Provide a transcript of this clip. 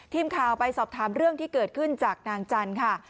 ทีมข่าวไปสอบถามเรื่องกันจากนางจันค่ะ